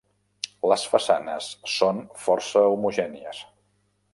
Les façanes són força homogènies.